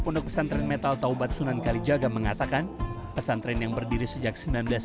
pondok pesantren metal taubat sunan kalijaga mengatakan pesantren yang berdiri sejak seribu sembilan ratus sembilan puluh